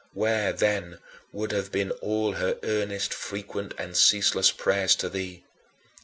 Where, then, would have been all her earnest, frequent, and ceaseless prayers to thee?